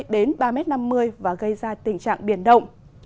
đến ba năm mươi và gây ra tình trạng biển động